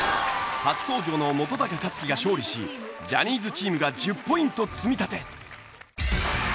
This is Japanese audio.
初登場の本克樹が勝利しジャニーズチームが１０ポイント積み立て。